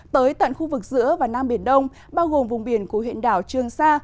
tới tận khu vực giữa và nam biển đông bao gồm vùng biển của huyện đảo trương sa